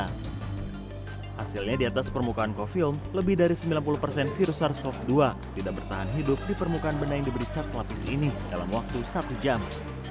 hasilnya di atas permukaan coffum lebih dari sembilan puluh persen virus sars cov dua tidak bertahan hidup di permukaan benda yang diberi cat lapis ini dalam waktu satu jam